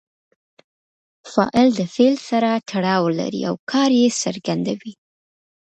فاعل د فعل سره تړاو لري او کار ئې څرګندوي.